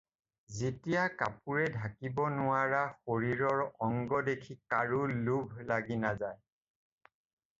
যেতিয়া কাপোৰে ঢাকিব নোৱাৰা শৰীৰৰ অংগ দেখি কাৰো লোভ লাগি নাযায়